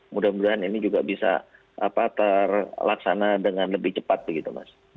mudah mudahan ini juga bisa terlaksana dengan lebih cepat begitu mas